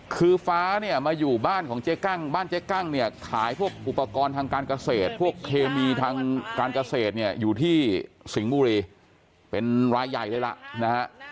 คือฟ้าเนี่ยมาอยู่บ้านของเจ๊กั้งบ้านเจ๊กั้งเนี่ยขายพวกอุปกรณ์ทางการเกษตรพวกเคมีทางการเกษตรเนี่ยอยู่ที่สิงห์บุรีเป็นรายใหญ่เลยล่ะนะฮะ